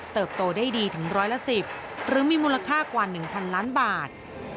โตได้ดีถึงร้อยละ๑๐หรือมีมูลค่ากว่า๑๐๐ล้านบาท